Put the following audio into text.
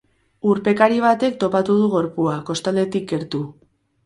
Urpekari batek topatu du gorpua, kostaldetik gertu.